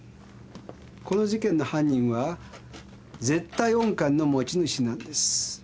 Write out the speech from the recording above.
この事件の犯人は「絶対音感」の持ち主なんです。